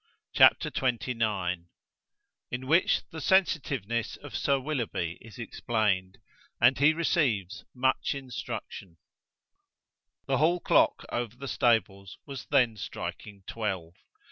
CHAPTER XXIX IN WHICH THE SENSITIVENESS OF SIR WILLOUGHBY IS EXPLAINED: AND HE RECEIVES MUCH INSTRUCTION THE Hall dock over the stables was then striking twelve.